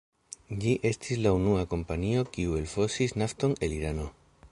Ĝi estis la unua kompanio kiu elfosis nafton el Irano.